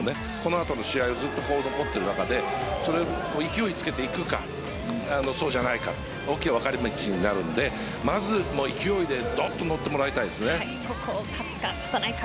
今後の試合にも勢いをつけていくかそうじゃないか大きい分かれ道になるのでまず、勢いでドンと乗ってもらいたいですね。